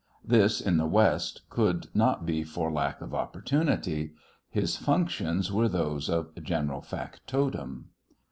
This in the West could not be for lack of opportunity. His functions were those of general factotum.